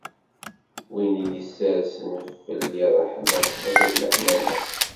Win i d-issersen fell-i ṛṛeḥma-s akked leḥnana-s.